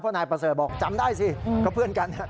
เพราะนายประเสริฐบอกจำได้สิเขาเพื่อนกัน